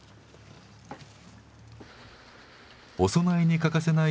お供えに欠かせない